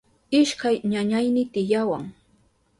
Ishkay ñañayni tiyawan.